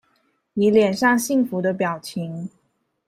妳臉上幸福的表情